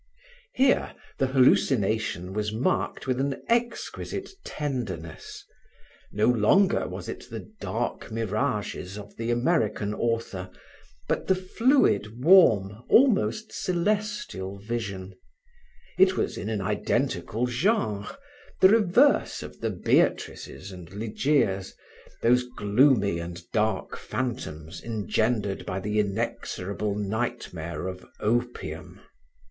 Here, the hallucination was marked with an exquisite tenderness; no longer was it the dark mirages of the American author, but the fluid, warm, almost celestial vision; it was in an identical genre, the reverse of the Beatrices and Legeias, those gloomy and dark phantoms engendered by the inexorable nightmare of opium.